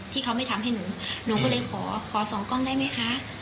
ที่เขาไม่ทำให้หนูหนูก็เลยขอขอส่องกล้องได้ไหมคะ